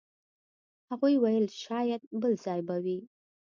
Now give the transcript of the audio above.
هغوی ویل شاید بل ځای به وئ.